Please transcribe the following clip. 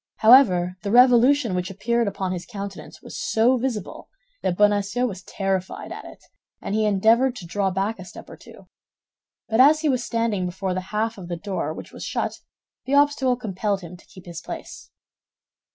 However, the revolution which appeared upon his countenance was so visible that Bonacieux was terrified at it, and he endeavored to draw back a step or two; but as he was standing before the half of the door which was shut, the obstacle compelled him to keep his place.